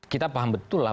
kita paham betul lah